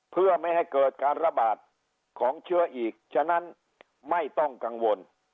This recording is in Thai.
เพื่อไม่ให้เกิดการระบาดของเชื้ออีกฉะนั้นไม่ต้องกังวล